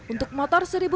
untuk motor rp satu